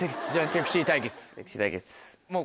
セクシー対決。